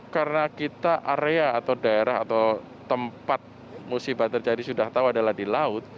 karena kita area atau daerah atau tempat musibah terjadi sudah tahu adalah di laut